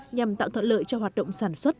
nhằm tạo thợ lợi cho hoạt động sản xuất